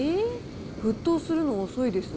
沸騰するのが遅いですね。